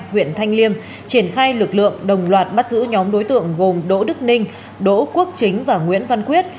huyện thanh liêm triển khai lực lượng đồng loạt bắt giữ nhóm đối tượng gồm đỗ đức ninh đỗ quốc chính và nguyễn văn quyết